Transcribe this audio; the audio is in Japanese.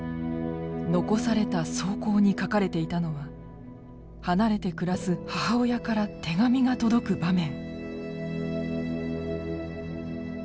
残された草稿に書かれていたのは離れて暮らす母親から手紙が届く場面。